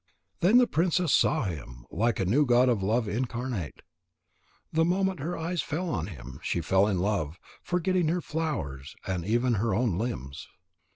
Then the princess saw him, like a new god of love incarnate. The moment her eyes fell on him, she fell in love, forgetting her flowers and even her own limbs.